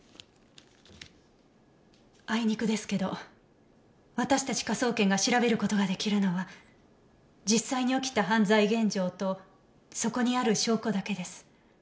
あいにくですけど私たち科捜研が調べる事が出来るのは実際に起きた犯罪現場とそこにある証拠だけです。